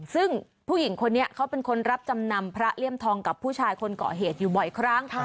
ซึ่งผู้หญิงคนนี้เขาเป็นคนรับจำนำพระเลี่ยมทองกับผู้ชายคนเกาะเหตุอยู่บ่อยครั้ง